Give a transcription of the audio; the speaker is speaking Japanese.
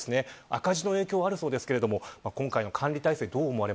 赤字の影響もあるそうですが今回の管理体制